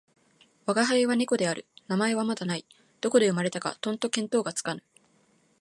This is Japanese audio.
吾輩は猫である。名前はまだない。どこで生れたかとんと見当がつかぬ。